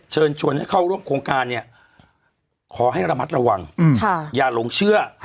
เชิญชวนให้เข้าร่วมโครงการเนี่ยขอให้ระมัดระวังอย่าหลงเชื่อ